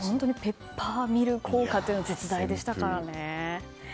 ペッパーミル効果が絶大でしたからね。